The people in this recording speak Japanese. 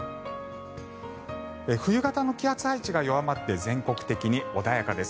冬型の気圧配置が弱まって全国的に穏やかです。